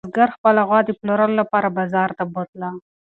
بزګر خپله غوا د پلورلو لپاره بازار ته بوتله.